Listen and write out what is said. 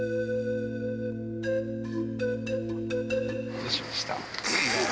どうしました？